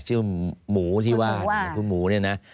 ลืมหมูยลูฯที่ว่า